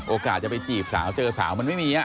โอกาสจะไปจีบสาวเจอสาวมันไม่มี